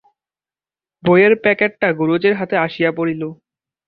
বইয়ের প্যাকেটটা গুরুজির হাতে আসিয়া পড়িল।